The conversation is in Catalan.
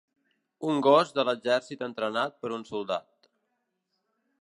Un gos de l'exèrcit entrenat per un soldat.